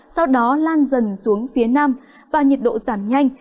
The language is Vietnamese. sau đó lan dần xuống phía nam và nhiệt độ giảm nhanh